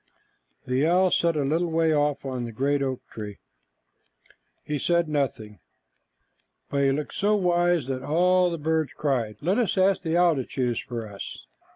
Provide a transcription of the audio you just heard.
The owl sat a little way off on a great oak tree. He said nothing, but he looked so wise that all the birds cried, "Let us ask the owl to choose for us."